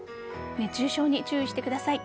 熱中症に注意してください。